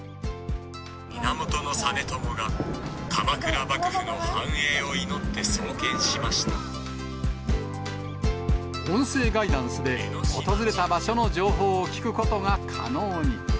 源実朝が、鎌倉幕府の繁栄を音声ガイダンスで、訪れた場所の情報を聞くことが可能に。